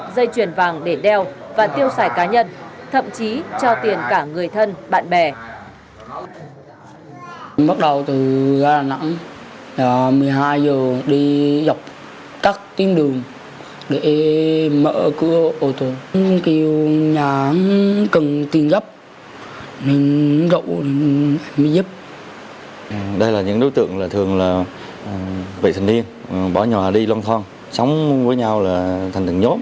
dây chuyền vàng để đeo và tiêu sải cá nhân thậm chí cho tiền cả người thân bạn bè